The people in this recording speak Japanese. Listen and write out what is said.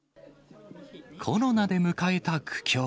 コロナで迎えた苦境。